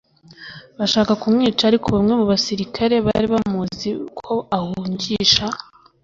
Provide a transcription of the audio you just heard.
bashaka kumwica ariko bamwe mu basirikare bari bamuzi ko ahungisha